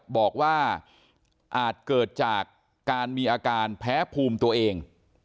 บอกว่าอาจเกิดจากการมีอาการแพ้ภูมิตัวเอง